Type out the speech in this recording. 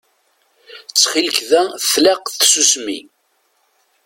Ttxil-k da tlaq tsusmi.